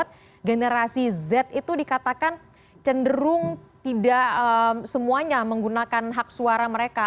karena generasi z itu dikatakan cenderung tidak semuanya menggunakan hak suara mereka